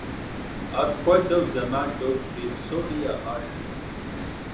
Апхуэдэу зэман докӏри, псори ягъашхэ.